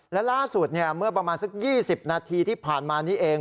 และล่าสุดเมื่อประมาณสัก๒๐นาทีที่ผ่านมานี้เอง